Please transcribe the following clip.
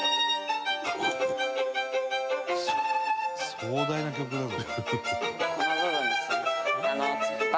「壮大な曲だぞ」